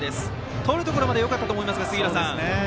とるところまではよかったと思いますが。